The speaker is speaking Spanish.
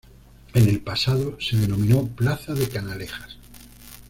En el pasado se denominó plaza de Canalejas.